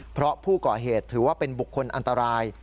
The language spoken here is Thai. เพราะผู้ก่อเหตุถือว่าเป็นบุคคลอันตราย